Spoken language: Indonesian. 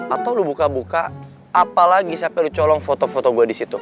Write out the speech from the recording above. atau lo buka buka apalagi sampe lo colong foto foto gue disitu